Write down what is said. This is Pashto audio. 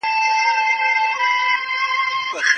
الرعد سورت په: {ا. ل. م. ر} شروع سوی دی.